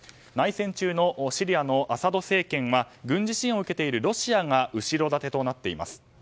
内戦中のシリアのアサド政権は軍事支援を受けているロシアが後ろ盾となっています。